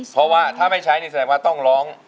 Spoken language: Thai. เพราะว่าถ้าไม่ใช้นี่แสดงว่าต้องร้อง